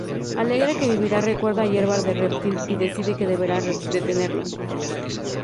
Alegre que vivirá, recuerda a Hierba de Reptil y decide que deberá detenerlo.